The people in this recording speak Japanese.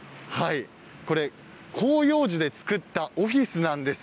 広葉樹で造ったオフィスなんです。